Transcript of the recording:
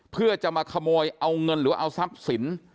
เพื่อจะมาขโมยเอาเงินหรือว่าเอาทรัพย์สิน